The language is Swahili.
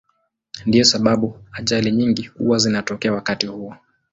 Ndiyo sababu ajali nyingi huwa zinatokea wakati huo.